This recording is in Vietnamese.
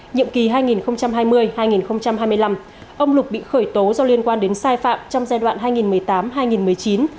nhiệm kỳ hai nghìn hai mươi hai nghìn hai mươi năm ông lục bị khởi tố do liên quan đến sai phạm trong giai đoạn hai nghìn một mươi tám hai nghìn một mươi chín